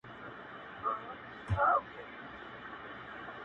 چي د ارواوو په نظر کي بند سي.